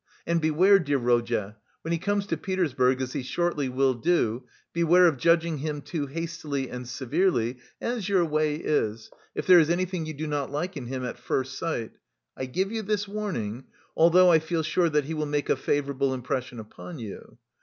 And beware, dear Rodya, when he comes to Petersburg, as he shortly will do, beware of judging him too hastily and severely, as your way is, if there is anything you do not like in him at first sight. I give you this warning, although I feel sure that he will make a favourable impression upon you.